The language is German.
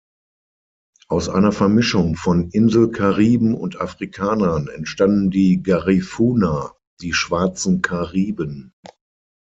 Aus einer Vermischung von Insel-Kariben und Afrikanern entstanden die Garifuna, die „Schwarzen Kariben“.